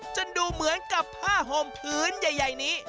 ดูเหมือนกับผ้าห่มพื้นใหญ่นี้